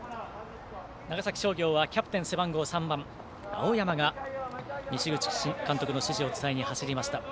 長崎商業はキャプテン背番号３番、青山が西口監督の指示を伝えに走りました。